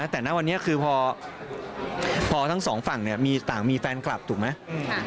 แต่ณวันนี้คือพอทั้งสองฝั่งต่างมีแฟนคลับถูกไหม